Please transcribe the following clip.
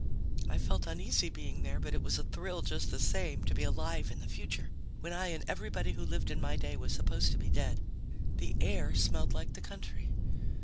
I felt uneasy being there, but it was a thrill just the same, to be alive in the future when I and everybody who lived in my day was supposed to be dead. The air smelled like the country.